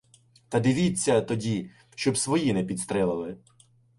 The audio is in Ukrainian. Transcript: Та дивіться тоді, щоб свої не підстрелили.